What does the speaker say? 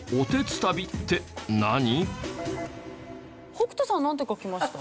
北斗さんなんて書きました？